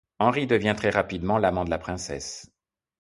Henry devient très rapidement l’amant de la princesse.